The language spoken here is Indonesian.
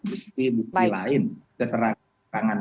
bukti bukti lain keterangan